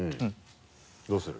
どうする？